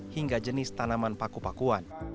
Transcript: hingga jenis tanaman paku pakuan